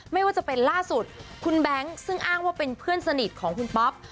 ไม่ว่าจะเป็นล่าสุดคุณแบงค์ซึ่งอ้างว่าเป็นเพื่อนสนิทของคุณป๊อป